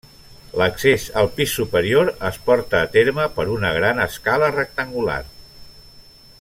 L'accés al pis superior es porta a terme per una gran escala rectangular.